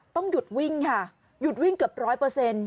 ต้องหยุดวิ่งค่ะหยุดวิ่งเกือบร้อยเปอร์เซ็นต์